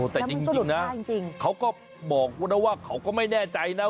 แต่จริงนะเขาก็บอกนะว่าเขาก็ไม่แน่ใจนะ